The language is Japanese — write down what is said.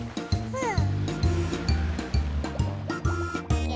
うん！